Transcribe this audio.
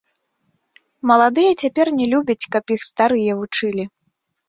Маладыя цяпер не любяць, каб іх старыя вучылі.